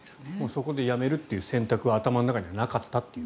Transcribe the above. そこでやめるという選択は頭の中になかったと。